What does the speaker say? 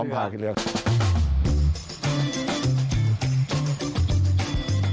ซ้อมภายเรือครับ